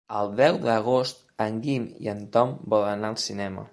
El deu d'agost en Guim i en Tom volen anar al cinema.